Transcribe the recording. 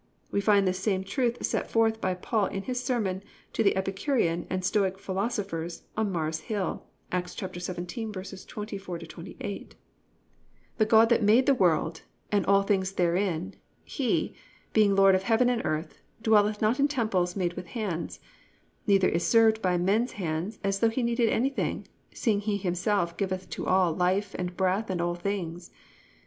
We find this same truth set forth by Paul in his sermon to the Epicurean and Stoic philosophers on Mars Hill, Acts 17:24 28: +"The God that made the world, and all things therein, he, being Lord of heaven and earth, dwelleth not in temples made with hands: (25) Neither is served by men's hands as though he needed anything, seeing he himself giveth to all life and breath and all things.